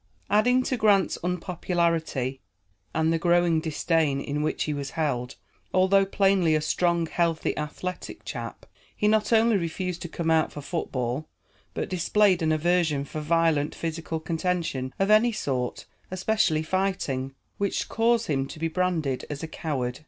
Adding to Grant's unpopularity, and the growing disdain in which he was held, although plainly a strong, healthy, athletic chap, he not only refused to come out for football, but displayed an aversion for violent physical contention of any sort, especially fighting; which caused him to be branded as a coward.